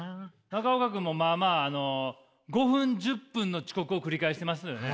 中岡君もまあまあ５分１０分の遅刻を繰り返してますよね？